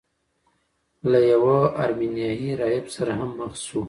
له یوه ارمینیايي راهب سره هم مخ شو.